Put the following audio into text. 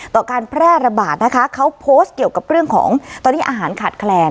การแพร่ระบาดนะคะเขาโพสต์เกี่ยวกับเรื่องของตอนนี้อาหารขาดแคลน